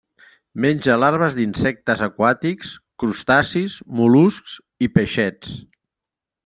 Menja larves d'insectes aquàtics, crustacis, mol·luscs i peixets.